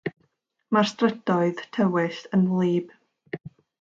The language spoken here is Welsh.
Mae'r strydoedd tywyll yn wlyb.